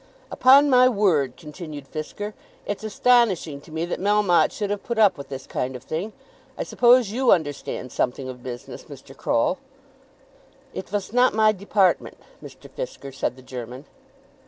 "Upon my word," continued Fisker, "it's astonishing to me that Melmotte should have put up with this kind of thing. I suppose you understand something of business, Mr. Croll?" "It vas not my department, Mr. Fisker," said the German.